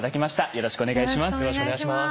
よろしくお願いします。